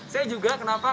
saya juga kenapa